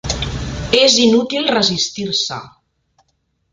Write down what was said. És inútil resistir-se.